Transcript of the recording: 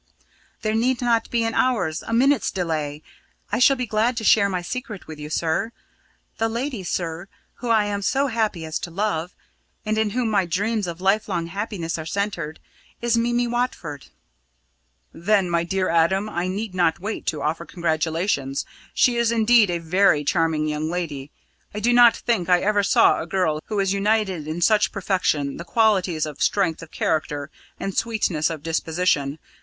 "There need not be an hour's, a minute's delay. I shall be glad to share my secret with you, sir. The lady, sir, whom I am so happy as to love, and in whom my dreams of life long happiness are centred, is Mimi Watford!" "Then, my dear Adam, I need not wait to offer congratulations. She is indeed a very charming young lady. I do not think I ever saw a girl who united in such perfection the qualities of strength of character and sweetness of disposition.